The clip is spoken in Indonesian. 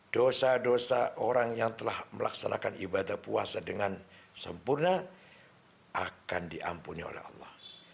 dosa dosa orang yang telah melaksanakan ibadah puasa dengan sempurna akan diampuni oleh allah